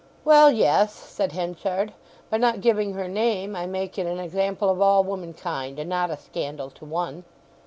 "Well, yes," said Henchard. "By not giving her name I make it an example of all womankind, and not a scandal to one."